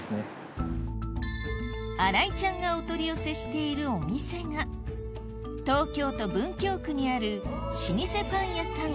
新井ちゃんがお取り寄せしているお店が東京都文京区にある老舗パン屋さん